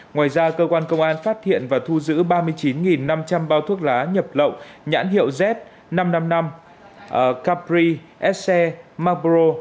ngoài ra cơ quan công an phát hiện và thu giữ ba mươi chín năm trăm linh bao thuốc lá nhập lậu nhãn hiệu z năm trăm năm mươi năm capri sc mapro